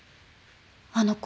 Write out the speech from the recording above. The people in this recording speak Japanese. あの子。